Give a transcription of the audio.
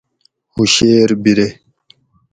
ہُوشیر بِرے